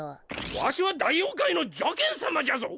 ワシは大妖怪の邪見さまじゃぞ！！